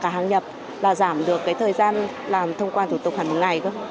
cả hàng nhập là giảm được thời gian làm thông quan thủ tục hàng ngày